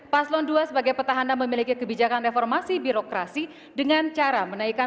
paslon dua sebagai petahana memiliki kebijakan reformasi birokrasi dengan cara menaikkan